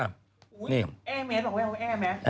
อุ๊ยแอไม็ตบอกว่าแอไหม